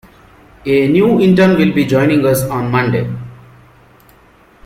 A new intern will be joining us on Monday.